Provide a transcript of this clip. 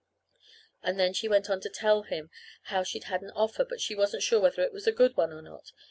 And then she went on to tell him how she'd had an offer, but she wasn't sure whether it was a good one or not.